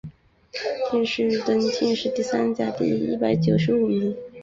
殿试登进士第三甲第一百九十五名。